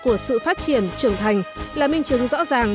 của sự phát triển trưởng thành là minh chứng rõ ràng